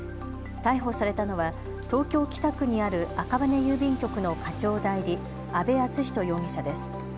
逮捕されたのは東京北区にある赤羽郵便局の課長代理、阿部淳一容疑者です。